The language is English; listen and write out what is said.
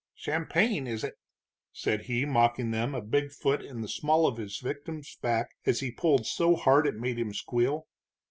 "Champagne, is it?" said he, mocking them, a big foot in the small of the victim's back as he pulled so hard it made him squeal.